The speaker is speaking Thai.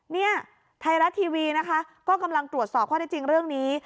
เนี่ยไทยรัฐทีวีนะคะก็กำลังตรวจสอบข้อได้จริงเรื่องนี้